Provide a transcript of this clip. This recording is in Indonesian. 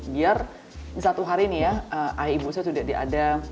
biar satu hari nih ya ayah ibu saya sudah diadam